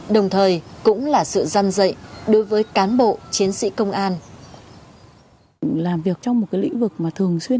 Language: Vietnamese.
đồng thời cũng là sự dăn dậy đối với cán bộ chiến sĩ công an